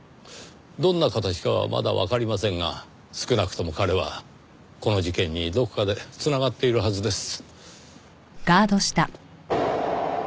どんな形かはまだわかりませんが少なくとも彼はこの事件にどこかで繋がっているはずです。